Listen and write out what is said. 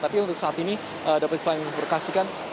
tapi untuk saat ini dapat saya berkasi kan